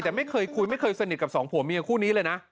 แต่ไม่เคยคุยไม่เคยสนิทกับสองผัวเมียคู่นี้เลยนะ